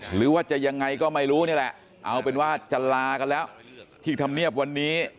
หรือว่าจะยังไงก็ไม่รู้นี่แหละเอาเป็นว่าจะลากันแล้วที่ธรรมเนียบวันนี้